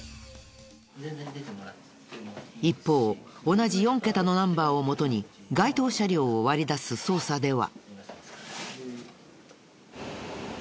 一方同じ４ケタのナンバーをもとに該当車両を割り出す捜査では。